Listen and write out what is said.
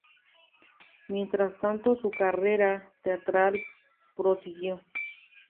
Mientras tanto su carrera teatral prosiguió.